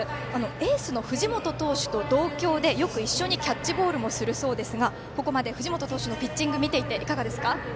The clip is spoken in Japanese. エースの藤本投手と同郷で、よく一緒にキャッチボールをするそうですがここまで藤本投手のピッチングいかがですか。